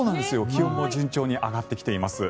気温も順調に上がってきています。